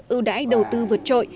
ưu đãi đầu tư vượt trội